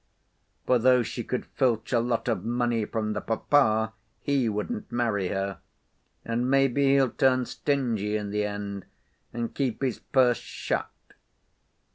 For though she could filch a lot of money from the papa he wouldn't marry her, and maybe he'll turn stingy in the end, and keep his purse shut.